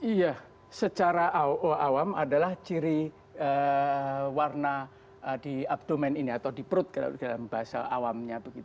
iya secara awam adalah ciri warna di abdomen ini atau di perut dalam bahasa awamnya